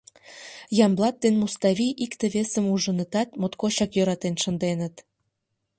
Ямблат ден Муставий икте-весым ужынытат, моткочак йӧратен шынденыт.